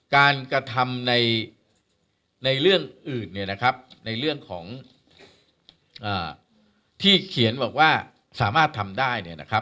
การกระทำในเรื่องอื่นในเรื่องของที่เขียนว่าสามารถทำได้